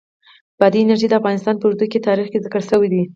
بادي انرژي د افغانستان په اوږده تاریخ کې ذکر شوی دی.